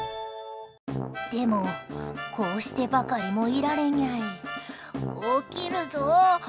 でも、こうしてばかりもいられニャイ、起きるぞ！